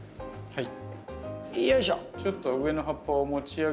はい。